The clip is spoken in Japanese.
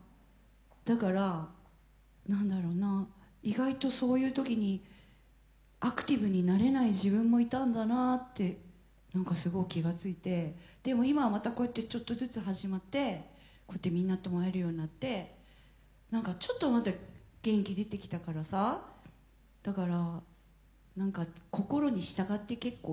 だから何だろうな意外とそういう時にアクティブになれない自分もいたんだなって何かすごく気がついてでも今はまたこうやってちょっとずつ始まってこうやってみんなとも会えるようになって何かちょっとまた元気出てきたからさだから何か心に従って結構いる。